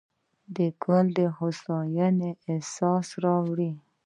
ګل د هوساینې احساس راوړي.